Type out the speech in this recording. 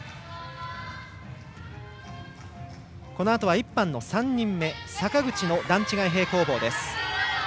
このあとは１班の３人目坂口の段違い平行棒です。